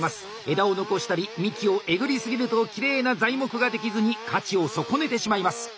枝を残したり幹をえぐり過ぎるときれいな材木が出来ずに価値を損ねてしまいます。